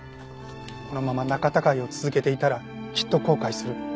このまま仲たがいを続けていたらきっと後悔する。